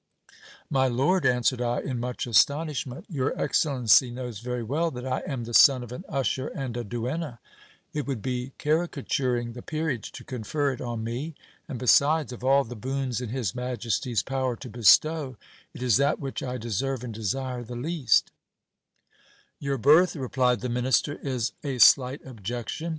My lord, answered I, in much astonishment, your excellency knows very well that I am the son of an usher and a duenna : it would be caricaturing the peerage to confer it on me ; and besides, of all the boons in his majesty's power to bestow, it is that which I deserve and desire the least Your birth, replied the minister, is a slight objection.